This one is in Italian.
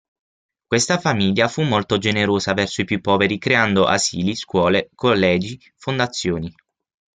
Questa famiglia fu molto generosa verso i più poveri creando asili, scuole, collegi, fondazioni.